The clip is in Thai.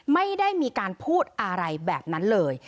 ไม่ได้มีการพูดอะไรแบบนั้นเลย